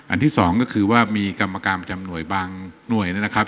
ที่สองก็คือว่ามีกรรมการประจำหน่วยบางหน่วยนะครับ